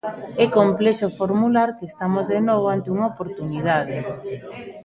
É complexo formular que estamos de novo ante unha oportunidade.